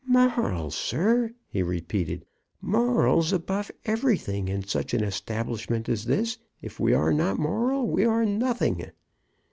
"Morals, sir!" he repeated. "Morals above everything. In such an establishment as this, if we are not moral, we are nothing."